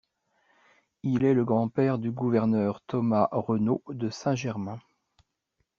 Il est le grand-père du gouverneur Thomas Renault de Saint-Germain.